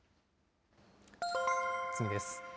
次です。